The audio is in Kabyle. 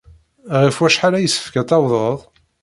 Ɣef wacḥal ay yessefk ad tawḍed?